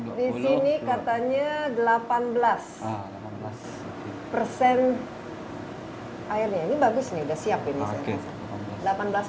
di sini katanya delapan belas persen airnya ini bagus nih udah siap ini